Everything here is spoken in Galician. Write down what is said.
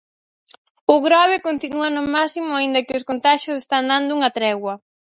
O Grove continúa no máximo aínda que os contaxios están dando unha tregua.